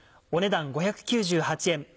お値段５９８円。